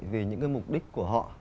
vì những mục đích của họ